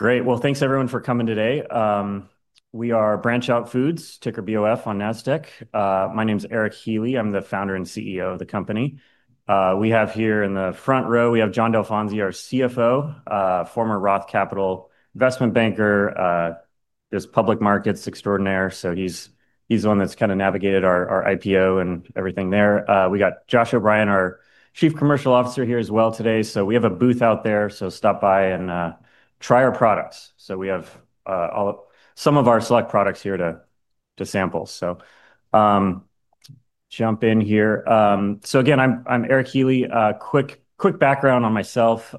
Great. Thanks everyone for coming today. We are BranchOut Food, ticker BOF on Nasdaq. My name is Eric Healy. I'm the Founder and CEO of the company. We have here in the front row, John Dalfonsi, our CFO, former Roth Capital investment banker. He does public markets extraordinaire. He's the one that's kind of navigated our IPO and everything there. We got Josh O'Brien, our Chief Commercial Officer here as well today. We have a booth out there, so stop by and try our products. We have some of our select products here to sample, so jump here. Again, I'm Eric Healy. Quick background on myself.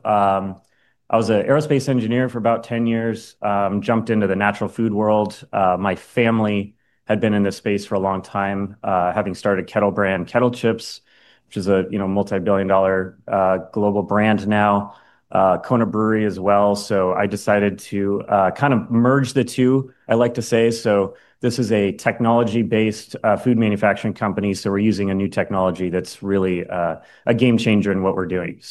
I was an aerospace engineer for about 10 years, jumped into the natural food world. My family had been in this space for a long time, having started Kettle Brand, Kettle Chips, which is a multibillion-dollar global brand now, Kona Brewery as well. I decided to kind of merge the two, I like to say. This is a technology-based food manufacturing company. We're using a new technology that's really a game-changer in what we're doing.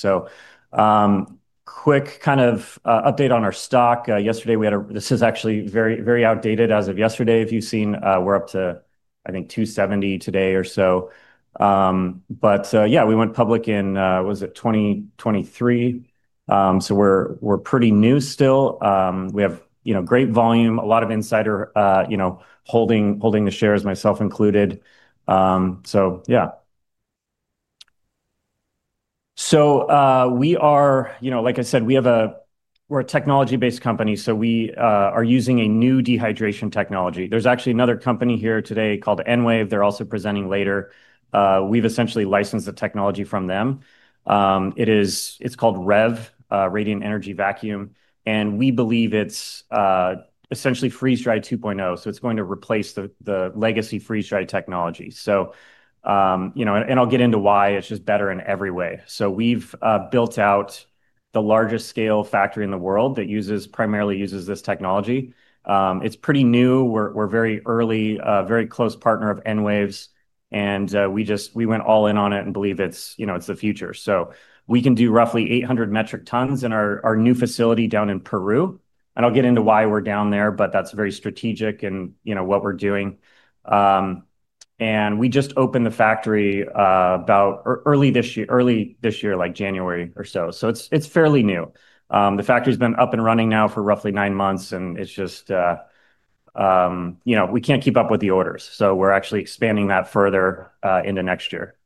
Quick kind of update on our stock. This is actually very outdated as of yesterday. If you've seen, we're up to, I think $270 today or so. We went public in 2023, so we're pretty new still. We have great volume, a lot of insiders holding the shares, myself included. Like I said, we're a technology-based company. We are using a new dehydration technology. There's actually another company here today called EnWave. They're also presenting later. We've essentially licensed the technology from them. It's called REV, Radiant Energy Vacuum. We believe it's essentially freeze-dried 2.0. It's going to replace the legacy freeze-dried technology. I'll get into why it's just better in every way. We've built out the largest-scale factory in the world that primarily uses this technology. It's pretty new. We're a very early, very close partner of EnWave. We went all in on it and believe it's the future. We can do roughly 800 MT in our new facility down in Peru. I'll get into why we're down there, but that's very strategic in what we're doing. We just opened the factory early this year, like January or so. It's fairly new. The factory's been up and running now for roughly nine months, and we can't keep up with the orders. We're actually expanding that further into next year.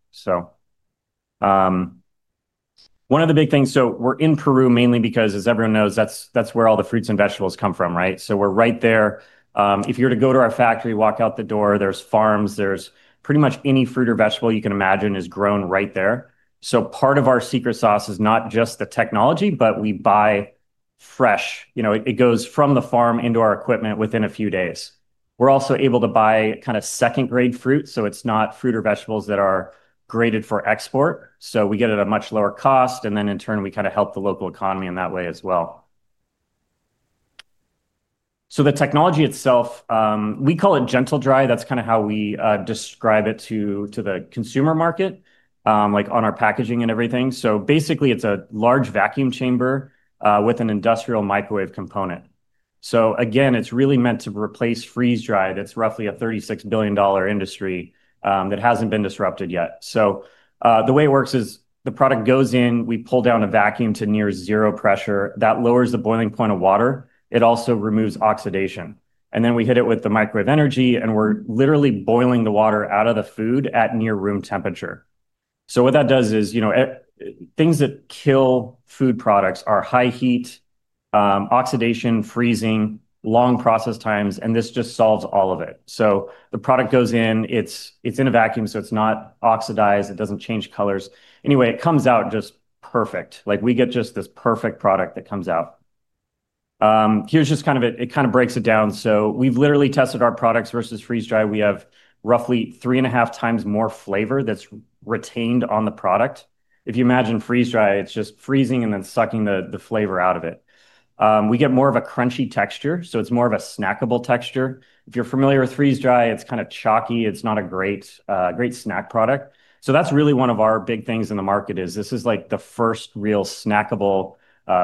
One of the big things, so we're in Peru mainly because as everyone knows, that's where all the fruits and vegetables come from, right? We're right there. If you were to go to our factory, walk out the door, there's farms. Pretty much any fruit or vegetable you can imagine is grown right there. Part of our secret sauce is not just the technology, but we buy fresh. It goes from the farm into our equipment within a few days. We're also able to buy kind of second-grade fruits. It's not fruit or vegetables that are graded for export, so we get it at a much lower cost. In turn, we kind of help the local economy in that way as well. The technology itself, we call it GentleDry. That's kind of how we describe it to the consumer market, like on our packaging and everything. Basically, it's a large vacuum chamber with an industrial microwave component. Again, it's really meant to replace freeze-dried. It's roughly a $36 billion industry that hasn't been disrupted yet. The way it works is, the product goes in, we pull down a vacuum to near zero pressure. That lowers the boiling point of water. It also removes oxidation. We hit it with the microwave energy, we're literally boiling the water out of the food at near room temperature. What that does is, you know, things that kill food products are high heat, oxidation, freezing, long process times. This just solves all of it. The product goes in, it's in a vacuum, so it's not oxidized. It doesn't change colors. It comes out just perfect. We get just this perfect product that comes out. Here is just, it kind of breaks it down. We've literally tested our products versus freeze-dried. We have roughly 3.5x more flavor that's retained on the product. If you imagine freeze-dried, it's just freezing and then sucking the flavor out of it. We get more of a crunchy texture, so it's more of a snackable texture. If you're familiar with freeze-dried, it's kind of chalky. It's not a great snack product. That's really one of our big things in the market. This is like the first real snackable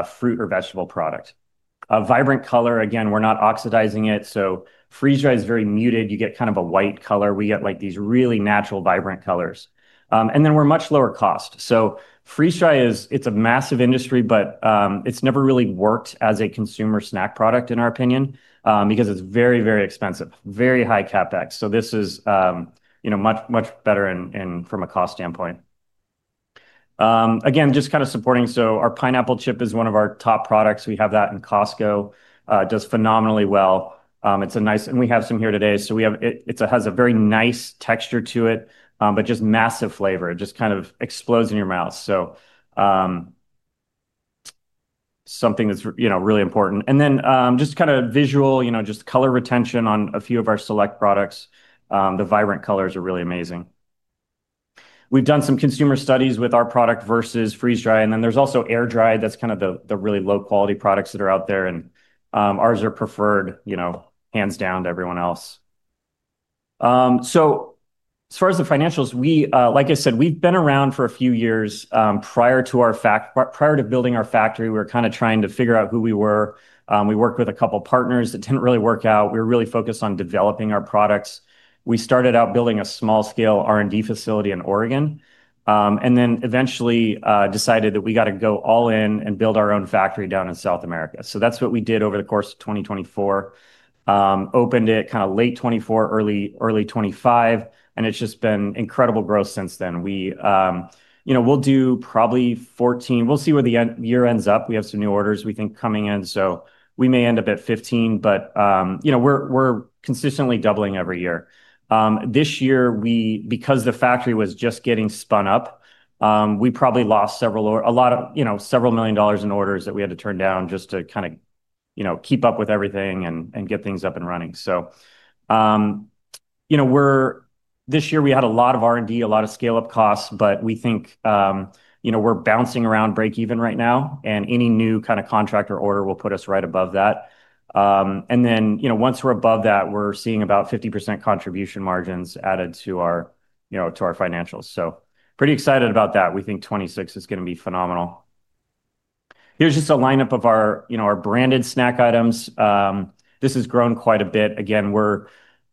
fruit or vegetable product. A vibrant color. Again, we're not oxidizing it. Freeze-dried is very muted. You get kind of a white color. We get these really natural, vibrant colors. We're much lower cost. Freeze-dried is a massive industry, but it's never really worked as a consumer snack product in our opinion because it's very, very expensive, very high CapEx. This is much, much better from a cost standpoint. Again, just kind of supporting. Our Pineapple Chips is one of our top products. We have that in Costco. It does phenomenally well. It's nice, and we have some here today. It has a very nice texture to it, but just massive flavor. It just kind of explodes in your mouth, so something that's really important. Just kind of visual, just color retention on a few of our select products. The vibrant colors are really amazing. We've done some consumer studies with our product versus freeze-dried. There's also air-dried, that's kind of the really low-quality products that are out there. Ours are preferred, hands down to everyone else. As far as the financials, like I said, we've been around for a few years. Prior to building our factory, we were kind of trying to figure out who we were. We worked with a couple of partners. It didn't really work out. We were really focused on developing our products. We started out building a small-scale R&D facility in Oregon, and then eventually decided that we got to go all in and build our own factory down in South America. That's what we did over the course of 2024. Opened it kind of late 2024, early 2025, and it's just been incredible growth since then. We'll do probably [$14 million]. We'll see where the year ends up. We have some new orders we think coming in, so we may end up at [$15 million]. We're consistently doubling every year. This year, because the factory was just getting spun up, we probably lost several million dollars in orders that we had to turn down, just to keep up with everything and get things up and running. This year we had a lot of R&D, a lot of scale-up costs, but we think we're bouncing around break-even right now. Any new kind of contract or order will put us right above that. Once we're above that, we're seeing about 50% contribution margins added to our financials. Pretty excited about that. We think 2026 is going to be phenomenal. Here's just a lineup of our branded snack items. This has grown quite a bit. Again,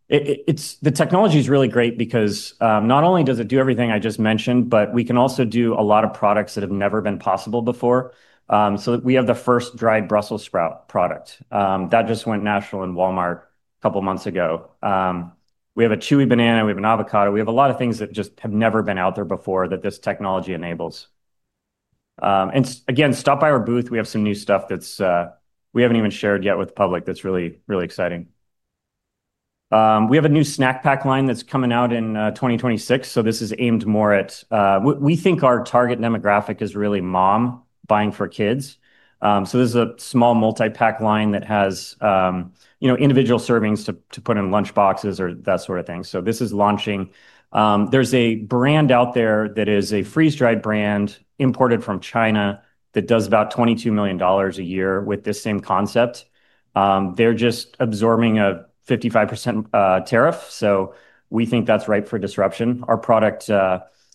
the technology is really great because not only does it do everything I just mentioned, but we can also do a lot of products that have never been possible before. We have the first dried brussels sprout products. That just went national in Walmart a couple of months ago. We have a chewy banana. We have an avocado. We have a lot of things that just have never been out there before that this technology enables. Stop by our booth. We have some new stuff that we haven't even shared yet with the public that's really, really exciting. We have a new snack pack line that's coming out in 2026. We think our target demographic is really mom buying for kids. This is a small multi-pack line that has, you know, individual servings to put in lunch boxes or that sort of thing. This is launching. There's a brand out there that is a freeze-dried brand imported from China, that does about $22 million a year with this same concept. They're just absorbing a 55% tariff. We think that's ripe for disruption. Our product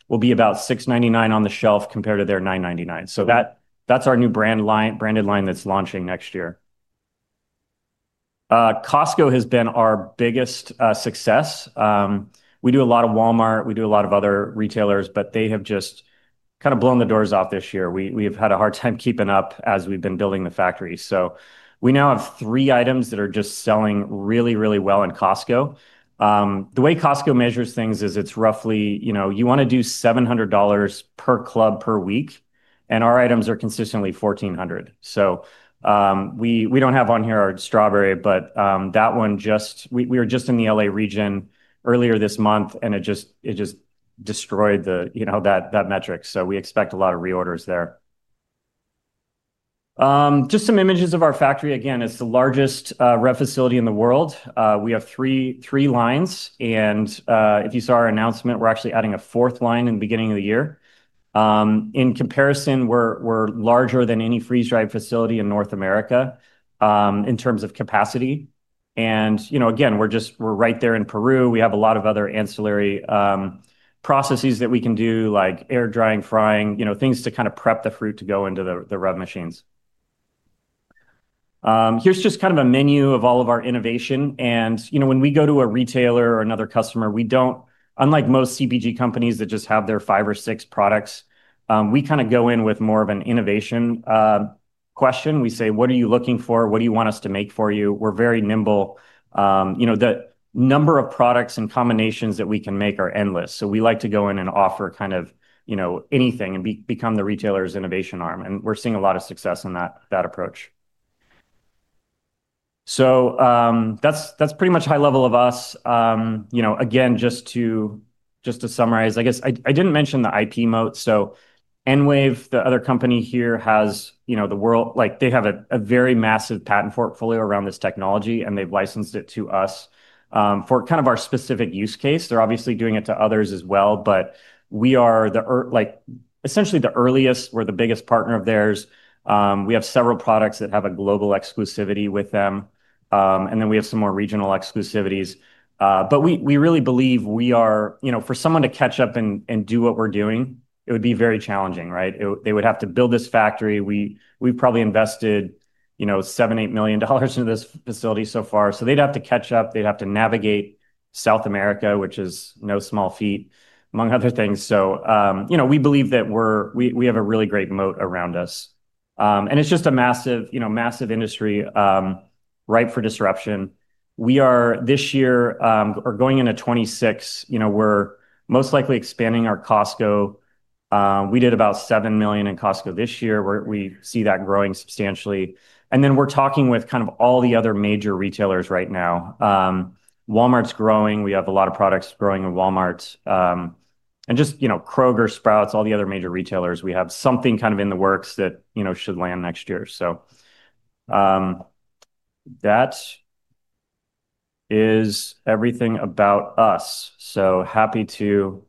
will be about $6.99 on the shelf compared to their $9.99. That's our brand new line that's launching next year. Costco has been our biggest success. We do a lot of Walmart. We do a lot of other retailers, but they have just kind of blown the doors off this year. We've had a hard time keeping up, as we've been building the factory. We now have three items that are just selling really, really well in Costco. The way Costco measures things is it's roughly, you know, you want to do $700 per club per week. Our items are consistently $1,400. We don't have on here on strawberry, but that one, we were just in the LA region earlier this month and it just destroyed that metric, so we expect a lot of reorders there. Just some images of our factory. Again, it's the largest REV facility in the world. We have three lines. If you saw our announcement, we're actually adding a fourth line in the beginning of the year. In comparison, we're larger than any freeze-dried facility in North America in terms of capacity. Again, we're right there in Peru. We have a lot of other ancillary processes that we can do, like air drying, frying, things to kind of prep the fruit to go into the REV machines. Here's just kind of a menu of all of our innovation. When we go to a retailer or another customer, unlike most CPG companies that just have their five or six products, we kind of go in with more of an innovation question. We say, "What are you looking for? What do you want us to make for you?" We're very nimble. The number of products and combinations that we can make are endless. We like to go in and offer kind of anything, and become the retailer's innovation arm. We're seeing a lot of success in that approach. That's pretty much high-level of us. Again, just to summarize, I guess I didn't mention the IP moat. EnWave, the other company here have a very massive patent portfolio around this technology. They've licensed it to us for kind of our specific use case. They're obviously doing it to others as well, but we are essentially the earliest. We're the biggest partner of theirs. We have several products that have a global exclusivity with them, and then we have some more regional exclusivities. We really believe, for someone to catch up and do what we're doing, it would be very challenging, right? They would have to build this factory. We've probably invested $7 million, $8 million in this facility so far. They'd have to catch up. They'd have to navigate South America, which is no small feat, among other things. We believe that we have a really great moat around us. It's just a massive industry, ripe for disruption. This year, going into 2026, we're most likely expanding our Costco. We did about $7 million in Costco this year. We see that growing substantially. We're talking with kind of all the other major retailers right now. Walmart's growing. We have a lot of products growing in Walmart, and just Kroger, Sprouts, all the other major retailers, we have something kind of in the works that should land next year. That is everything about us. Happy to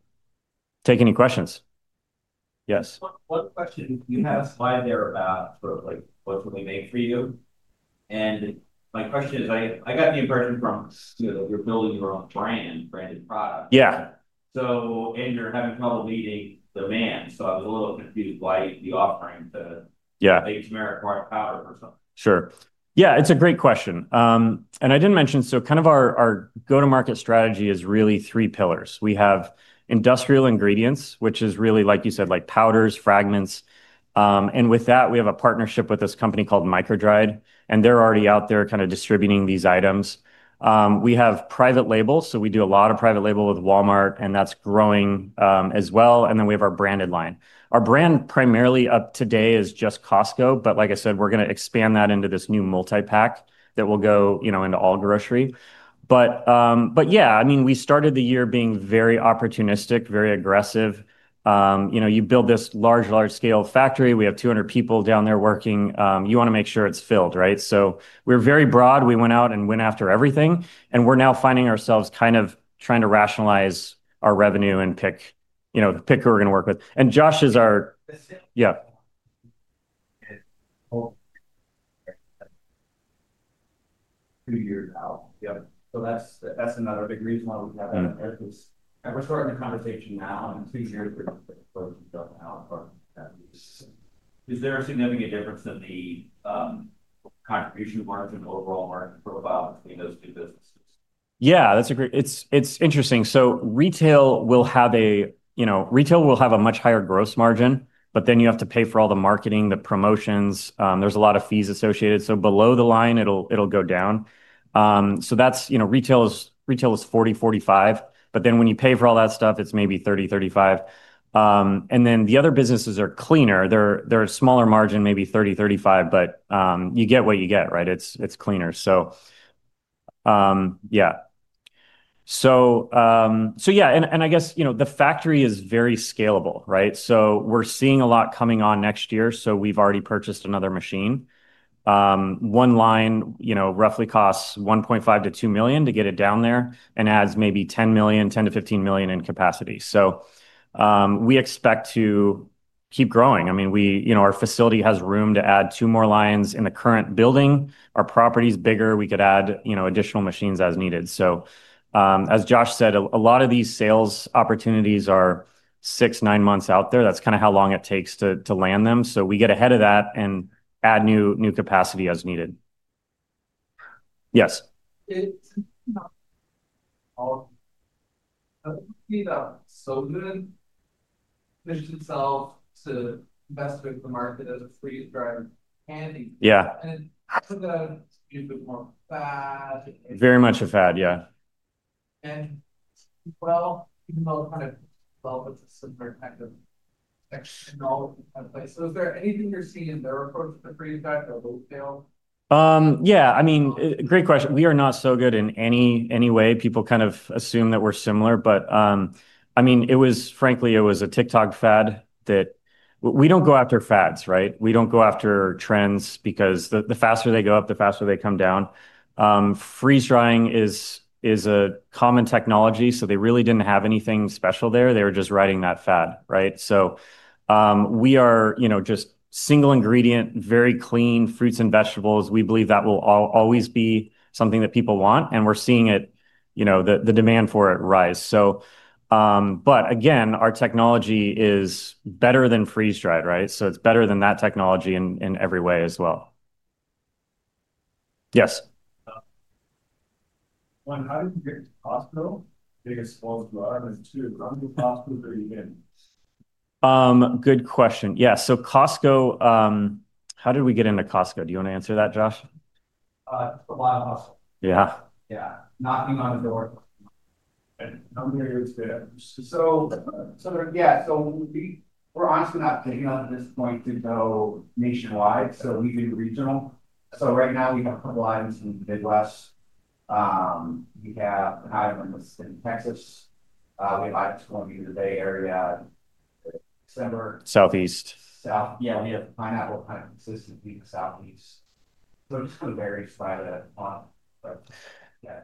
take any questions. Yes? One question. You had a slide there about sort of like made for you. My question is, I got the impression that you're building your own brand, branded product. Yeah. You're having trouble meeting demand. I was a little confused why you'd be offering to make something. Sure. Yeah, it's a great question. I didn't mention, so kind of our go-to-market strategy is really three pillars. We have industrial ingredients, which is really like you said, powders, fragments. With that, we have a partnership with this company called MicroDried. They're already out there kind of distributing these items. We have private labels. We do a lot of private label with Walmart, and that's growing as well. We have our branded line. Our brand primarily up to today is just Costco. Like I said, we're going to expand that into this new multi-pack that will go into all grocery. I mean, we started the year being very opportunistic, very aggressive. You build this large, large-scale factory. We have 200 people down there working. You want to make sure it's filled, right? We're very broad. We went out and went after everything. We're now finding ourselves kind of trying to rationalize our revenue, and pick who we're going to work with. two years out, yep. That's another big reason why we have. We're starting the conversation now, and in two years, we're. Is there a significant difference in the contribution margin, overall margin profile between those two businesses? Yeah, it's interesting. Retail will have a much higher gross margin, but then you have to pay for all the marketing, the promotions. There's a lot of fees associated. Below the line, it'll go down. Retail is $40, $45, but then when you pay for all that stuff, it's maybe $30, $35. The other businesses are cleaner. They're a smaller margin, maybe $30, $35, but you get what you get, right? It's cleaner. I guess the factory is very scalable, right? We're seeing a lot coming on next year. We've already purchased another machine. One line roughly costs $1.5 million-$2 million to get it down there, and adds maybe $10 million-$15 million in capacity. We expect to keep growing. Our facility has room to add two more lines in the current building. Our property's bigger. We could add additional machines as needed. As Josh said, a lot of these sales opportunities are six, nine months out there. That's kind of how long it takes to land them. We get ahead of that and add new capacity as needed. Yes? pushed itself to invest with the market as a freeze-dried candy. Yeah. That's a bit more fad. Very much a fad, yeah. Is there anything you're seeing in their approach to the freeze-dried or low scale? Yeah. I mean, great question. We are not so good in any way. People kind of assume that we're similar. I mean, frankly, it was a TikTok fad. We don't go after fads, right? We don't go after trends because the faster they go up, the faster they come down. Freeze-drying is a common technology. They really didn't have anything special there. They were just riding that fad, right? We are, just single-ingredient and very clean fruits and vegetables. We believe that will always be something that people want. We're seeing the demand for it rise. Again, our technology is better than freeze-dried, right? It's better than that technology in every way as well. Yes. One, how did you get into Costco? [Biggest sales driver]. Two, how many Costcos are you in? Good question, yeah, Costco, how did we get into Costco? Do you want to answer that, Josh? It's a wild hustle. Yeah. Yeah, knocking on the door. How many are? We're honestly not big enough at this point to go nationwide. We do regional. Right now, we have in the Midwest. We have an item in West Texas. We have items going into the Bay Area in December. Southeast. Yeah, we have Pineapple kind of consistently in the Southeast. It kind of varies by the month.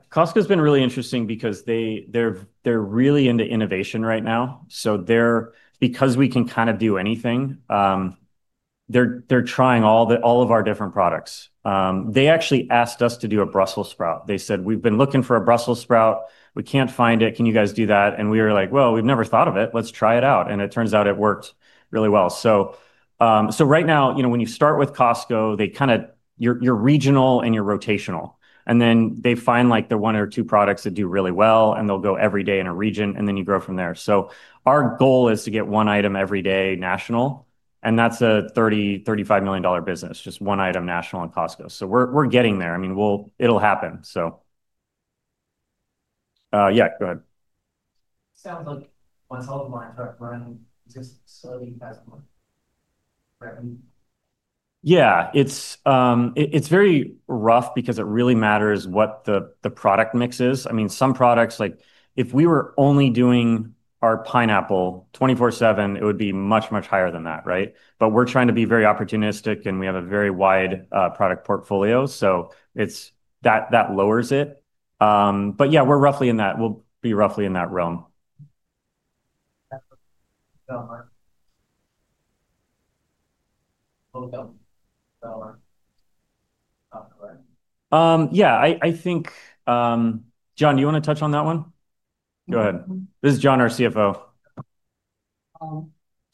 Costco's been really interesting because they're really into innovation right now, so because we can kind of do anything, they're trying all of our different products. They actually asked us to do a brussels sprout. They said, "We've been looking for a brussels sprout. We can't find it. Can you guys do that?" We were like, "Wow, we've never thought of it. Let's try it out." It turns out it worked really well. Right now, you know, when you start with Costco, you're regional and you're rotational. They find the one or two products that do really well, and they'll go every day in a region and you grow from there. Our goal is to get one item every day national, and that's a $30 million, $35 million business, just one item national in Costco. We're getting there. I mean, it'll happen. Yeah, go ahead. Sounds like once all the lines are up and running, it's just slowly passing on revenue. Yeah, it's very rough because it really matters what the product mix is. I mean, some products, like if we were only doing our Pineapple 24/7, it would be much, much higher than that, right? We're trying to be very opportunistic. We have a very wide product portfolio, so that lowers it. Yeah, we're roughly in that. We'll be roughly in that realm. I think, John, do you want to touch on that one? Go ahead. This is John, our CFO.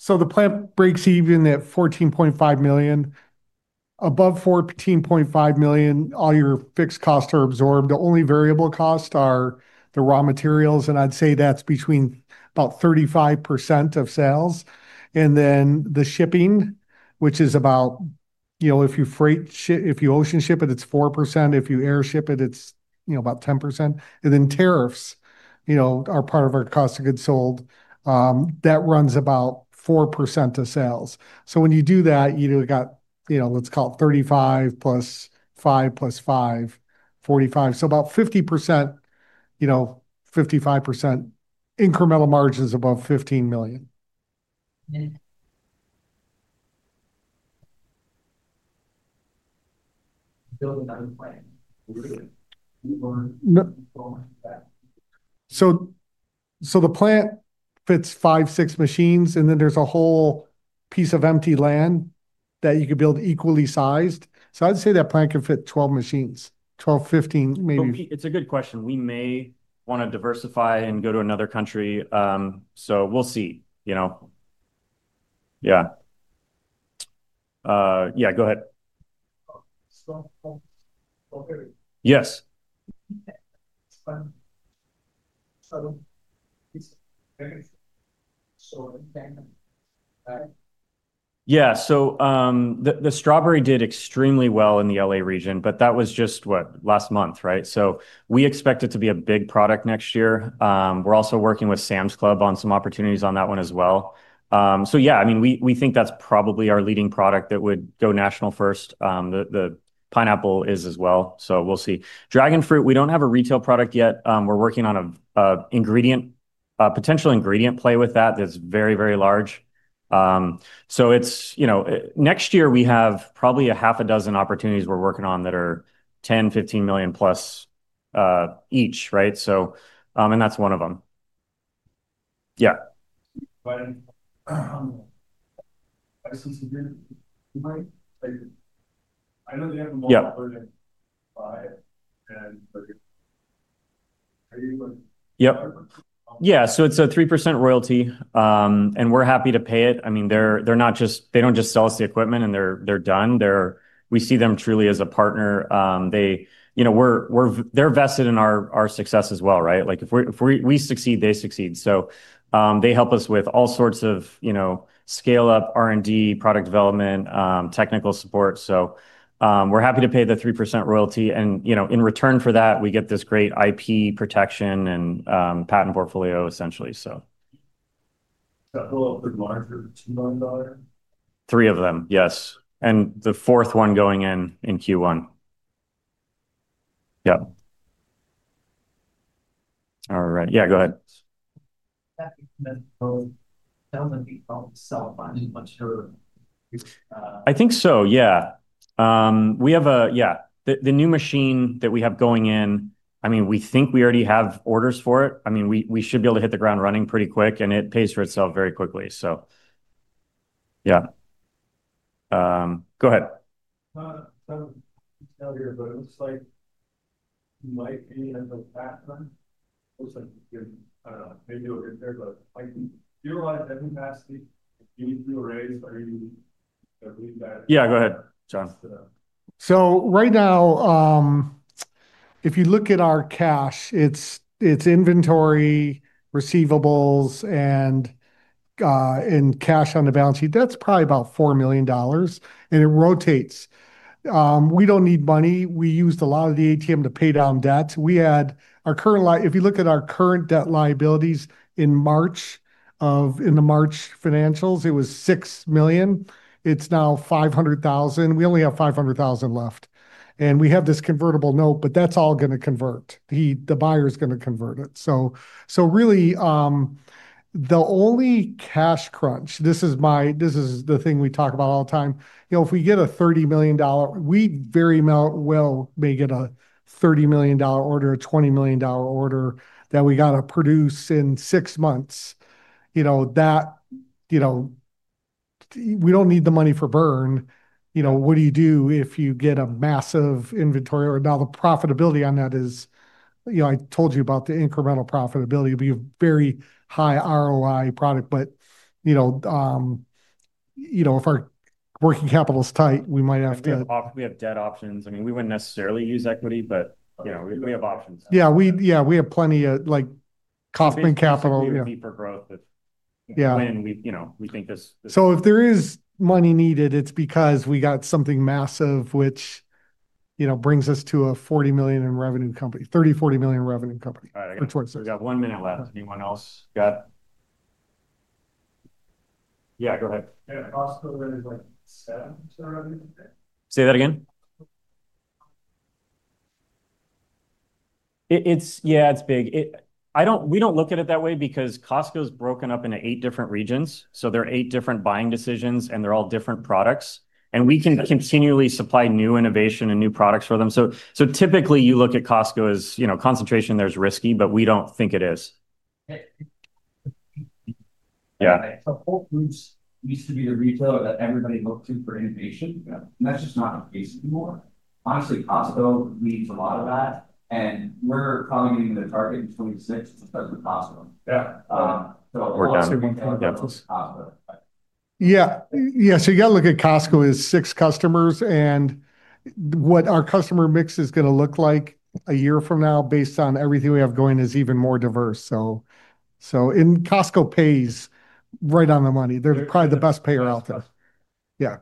The plant breaks even at $14.5 million. Above $14.5 million, all your fixed costs are absorbed. The only variable costs are the raw materials. I'd say that's between about 35% of sales. The shipping, which is about, if you ocean ship it, it's 4%. If you air ship it, it's about 10%. Tariffs are part of our cost of goods sold, that runs about 4% of sales. When you do that, you've got, let's call it 35% plus 5% plus 5%, 45%, so about 50%, you know, 55% incremental margins above $15 million. The plant fits five, six machines. There's a whole piece of empty land that you could build equally sized. I'd say that plant can fit 12 machines, 12, 15 maybe. It's a good question. We may want to diversify and go to another country, so we'll see. Yeah, go ahead. Yes. Yeah, so the strawberry did extremely well in the LA region. That was just, what? Last month, right? We expect it to be a big product next year. We're also working with Sam's Club on some opportunities on that one as well. Yeah, I mean, we think that's probably our leading product that would go national first. The pineapple is as well, so we'll see. Dragon fruit, we don't have a retail product yet. We're working on a potential ingredient play with that that's very, very large. Next year, we have probably a half a dozen opportunities we're working on that are $10 million, $15+ million each, right? That's one of them. Yeah. I know they have. Yeah, so it's a 3% royalty. We're happy to pay it. I mean, they don't just sell us the equipment and they're done. We see them truly as a partner. They're vested in our success as well, right? Like if we succeed, they succeed. They help us with all sorts of scale-up R&D, product development, technical support. We're happy to pay the 3% royalty. In return for that, we get this great IP protection and patent portfolio essentially. little bit larger, $2 million? Three of them, yes. The fourth one going in in Q1. Yeah, all right. Yeah, go ahead. I think so, yeah. The new machine that we have going in, we think we already have orders for it. We should be able to hit the ground running pretty quick, and it pays for itself very quickly. Yeah, go ahead. I it looks like you might be in the. It looks like you're, I don't know, maybe you'll get there, but do you realize that capacity? Yeah. Go ahead, John. Right now, if you look at our cash, it's inventory, receivables, and cash on the balance sheet, that's probably about $4 million and it rotates. We don't need money. We used a lot of the ATM to pay down debts. If you look at our current debt liabilities in the March financials, it was $6 million. It's now $500,000. We only have $500,000 left, and we have this convertible note, but that's all going to convert. The buyer is going to convert it. Really, the only cash crunch, this is the thing we talk about all the time, if we get a $30 million, we very well may get a $30 million order, a $20 million order that we got to produce in six months. We don't need the money for burn. What do you do if you get a massive inventory? Now the profitability on that is, I told you about the incremental profitability. It'd be a very high ROI product. We have debt options. I mean, we wouldn't necessarily use equity, but we have options. Yeah, we have plenty of like Kaufman Capital. We have deeper growth. When we. If there is money needed, it's because we got something massive, which brings us to a $40 million in revenue company, $30, $40 million in revenue company. All right, I got one minute left. Anyone else? Yeah, go ahead. Yeah, Costco Say that again. Yeah, it's big. We don't look at it that way because Costco's broken up into eight different regions. There are eight different buying decisions, and they're all different products. We can continually supply new innovation, and new products for them. Typically, you look at Costco as, you know, concentration there is risky, but we don't think it is. Yeah. Whole Foods used to be the retailer that everybody looked to for innovation. That's just not the case anymore. Honestly, Costco leads a lot of that. We're probably getting into the target in 2026 because of Costco. Yeah, you got to look at Costco as six customers. What our customer mix is going to look like a year from now, based on everything we have going, is even more diverse. Costco pays right on the money. They're probably the best payer out there. Thanks,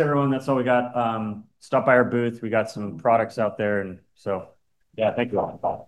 everyone. That's all we got. Stop by our booth. We got some products out there. Thank you all.